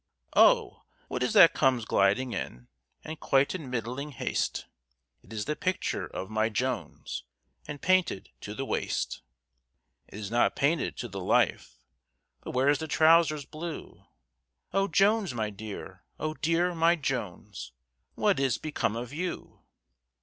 "Oh! what is that comes gliding in, And quite in middling haste? It is the picture of my Jones, And painted to the waist. "It is not painted to the life, For where's the trowsers blue? Oh Jones, my dear! Oh dear! my Jones, What is become of you?"